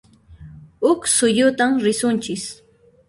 Huq suyutan risunchis